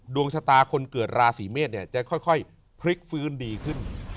ดวงชะตาคนเกิดราศีเมษจะค่อยพลิกฟื้นดีขึ้น